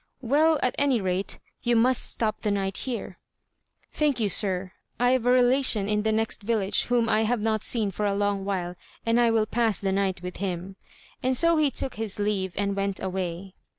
"Well, at any rate, you must stop the night here." "Thank you, sir: I've a relation in the next village whom I have not seen for a long while, and I will pass the night with him;" and so he took his leave, and went away.